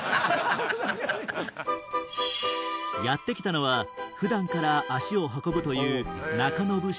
やって来たのは普段から足を運ぶというはい！